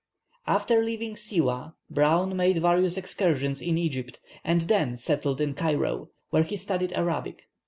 After leaving Siwâh, Browne made various excursions in Egypt, and then settled in Cairo, where he studied Arabic.